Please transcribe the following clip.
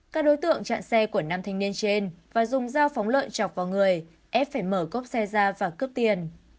các đối tượng chặn xe của nam thanh niên trên và dùng dao phóng lợn chọc vào người ép phải mở cốp xe ra và cướp tiền